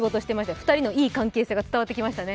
２人のいい関係性が伝わってきましたね。